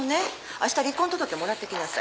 あした離婚届もらってきなさい。